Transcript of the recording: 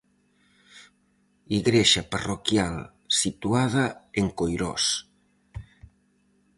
Igrexa parroquial situada en Coirós.